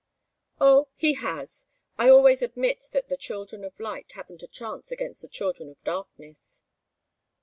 "Oh he has. I always admit that the children of light haven't a chance against the children of darkness."